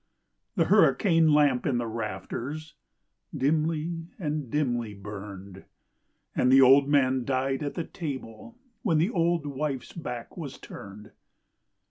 106 SCOTS OF THE RIVERINA 107 The hurricane lamp in the rafters dimly and dimly burned ; And the old man died at the table when the old wife's back was turned.